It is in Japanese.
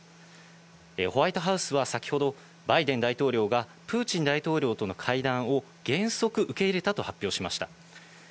ホワイトハウスは先ほど、バイデン大統領がプーチン大統領との会談を原則受け入れたと発表しました。